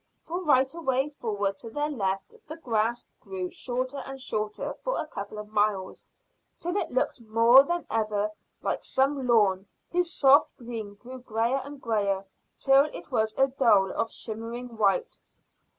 For right away forward and to their left the grass grew shorter and shorter for a couple of miles, till it looked more than ever like some lawn whose soft green grew greyer and greyer till it was of a dull shimmering white.